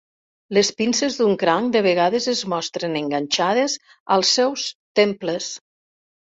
Les pinces d'un cranc de vegades es mostren enganxades als seus temples.